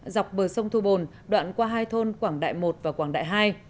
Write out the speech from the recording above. dọc bờ sông thu bồn đoạn qua hai thôn quảng đại một và quảng đại hai